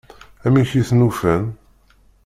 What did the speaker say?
Amek i ten-ufan?